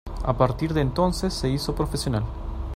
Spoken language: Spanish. A partir de entonces se hizo profesional.